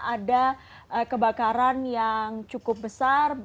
ada kebakaran yang cukup besar